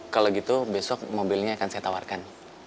kalau gitu besok mobilnya akan saya tawarkan